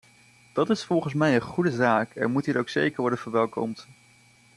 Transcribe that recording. Dat is volgens mij een goede zaak en moet hier ook zeker worden verwelkomd.